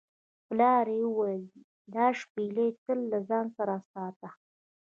پلار یې وویل دا شپیلۍ تل له ځان سره ساته.